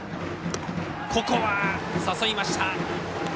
ここは誘いました。